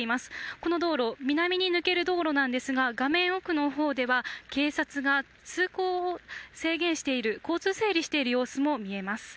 この道路、南に抜ける道路なんですが画面奥の方では警察が通行を制限している、交通整理している様子も見えます。